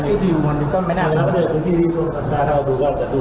ของข้าวทางบ้านที่มีหาคือจอมเทมคุณชาติกันบ่อนด้านบน